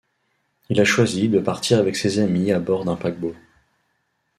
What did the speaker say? Il a choisi de partir avec ses amis à bord d’un paquebot.